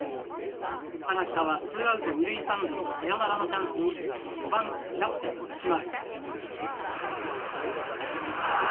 佐賀北はツーアウト二塁三塁とサヨナラのチャンスに４番キャプテン市丸。